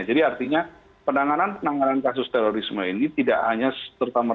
jadi artinya penanganan penanganan kasus terorisme itu tidak bisa diklima